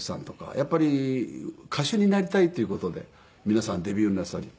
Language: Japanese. やっぱり歌手になりたいっていう事で皆さんデビューなさり。